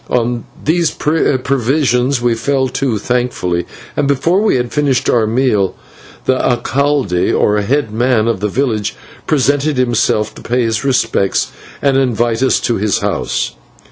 On these provisions we fell to thankfully, and, before we had finished our meal, the /alcalde/, or head man of the village, presented himself to pay his respects and to invite us to his house.